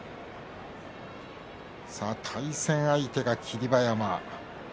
対戦相手が霧馬山。